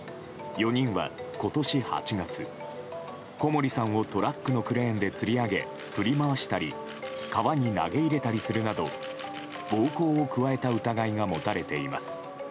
４人は今年８月、小森さんをトラックのクレーンでつり上げ、振り回したり川に投げ入れたりするなど暴行を加えた疑いが持たれています。